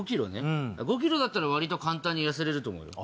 ５ｋｇだったら割と簡単に痩せれると思うよ。